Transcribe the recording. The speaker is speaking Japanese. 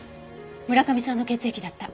村上さんの血液だった。